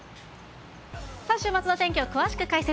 さあ、週末の天気を詳しく解説。